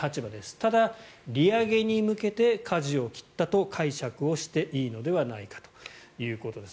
ただ、利上げに向けてかじを切ったと解釈をしていいのではないかということです。